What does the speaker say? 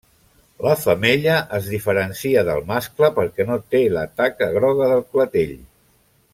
La femella es diferencia del mascle perquè no té la taca groga del clatell.